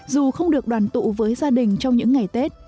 dù không được đoàn tụ với gia đình trong những ngày tết